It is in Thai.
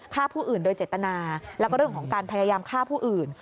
ฆ่าผู้อื่นโดยเจตนาแล้วก็เรื่องของการพยายามฆ่าผู้อื่น